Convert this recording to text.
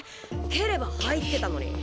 蹴れば入ってたのに。